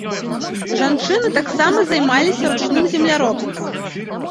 Жанчыны таксама займаліся ручным земляробствам.